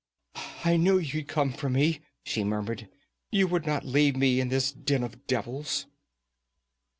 'I knew you'd come for me,' she murmured. 'You would not leave me in this den of devils.'